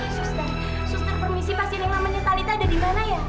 sustan permisi pasien yang lamanya talitha ada di mana ya